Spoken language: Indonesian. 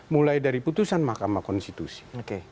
mulai dari putusan mahkamah konstitusi